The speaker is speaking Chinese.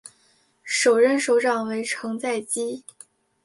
首任首长为成在基。